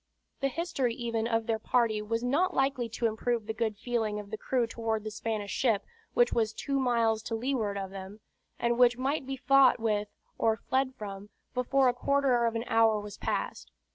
The history even of their party was not likely to improve the good feeling of the crew toward the Spanish ship which was two miles to leeward of them, and which must be fought with, or fled from, before a quarter of an hour was past.